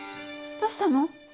どうしたの？